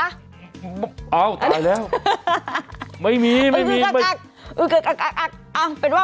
อ้าวตายแล้ว